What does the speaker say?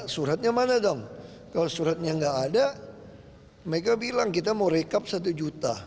suratnya mana dong kalau suratnya nggak ada mereka bilang kita mau rekap satu juta